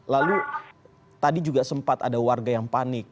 lalu tadi juga sempat ada warga yang panik